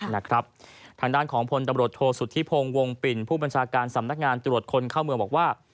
ทางด้านของพลตำรวจโทษสุธิพงศ์วงปิ่นผู้บัญชาการสำนักงานตรวจคนเข้าเมืองบอกว่า